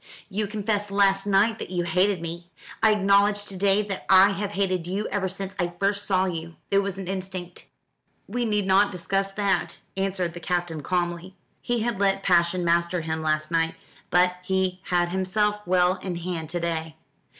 You confessed last night that you hated me. I acknowledge to day that I have hated you ever since I first saw you. It was an instinct." "We need not discuss that," answered the Captain calmly. He had let passion master him last night, but he had himself well in hand to day.